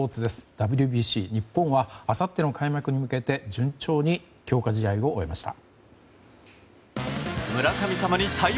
ＷＢＣ、日本はあさっての開幕に向けて順調に強化試合を終えました。